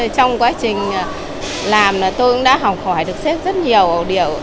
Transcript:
trong quá trình làm là tôi cũng đã học hỏi được sếp rất nhiều điều